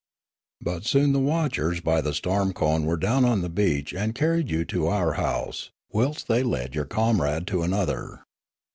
But soon the watchers by the storm cone were down on the beach and carried you to our house, whilst they led your comrade to another.